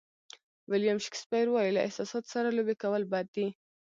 ویلیام شکسپیر وایي له احساساتو سره لوبې کول بد دي.